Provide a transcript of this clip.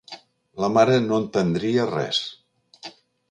La mare no entendria res.